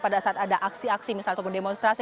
pada saat ada aksi aksi misalnya ataupun demonstrasi